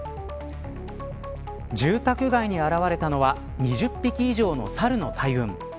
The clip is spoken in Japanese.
住宅街に現れたのは２０匹以上のサルの大群。